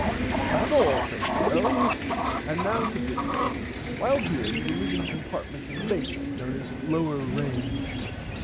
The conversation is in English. Not at all said the Earl and now to bissness. While here you will live in compartments in the basement known as Lower Range.